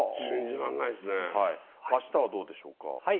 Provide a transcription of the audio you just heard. あしたはどうでしょうか。